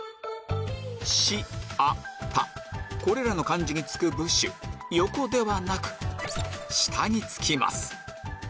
これらの漢字につく部首横ではなく下につきます